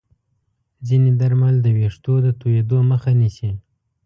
ځینې درمل د ویښتو د توییدو مخه نیسي.